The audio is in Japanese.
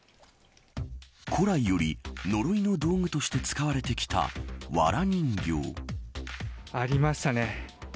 古来より呪いの道具として使われてきたわら人形。ありましたね。